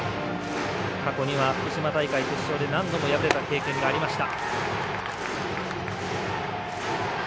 過去には福島大会決勝で何度も敗れた経験がありました。